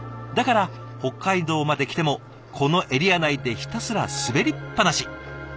だから北海道まで来てもこのエリア内でひたすら滑りっぱなし。